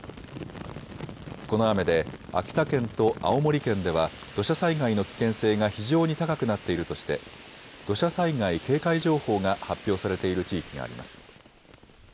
この雨で秋田県と青森県では土砂災害の危険性が非常に高くなっているとして土砂災害警戒情報が発表されている地域があります。